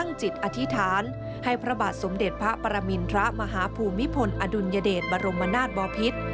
ก็พร้อมใจกันตั้งจิตอธิฐานให้พระบาทสมเด็จพระปรมิณฑะมหาภูมิพลอดุญเดชบรมนาตบอพิษ